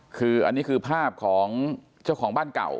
คืออันนี้คือภาพของเจ้าของบ้านเก่า